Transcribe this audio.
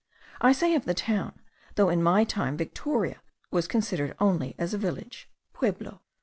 I say of the town, though in my time Victoria was considered only as a village (pueblo).